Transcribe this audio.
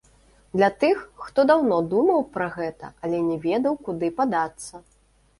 Для тых, хто даўно думаў пра гэта, але не ведаў, куды падацца.